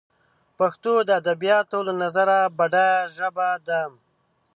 پښتو دادبیاتو له نظره بډایه ژبه ده